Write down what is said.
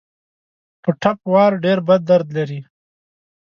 په ټپ وار ډېر بد درد لري.